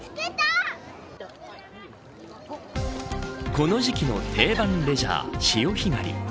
この時期の定番レジャー潮干狩り。